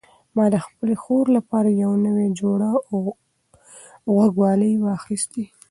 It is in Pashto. ما د خپلې خور لپاره یو نوی جوړه غوږوالۍ واخیستې.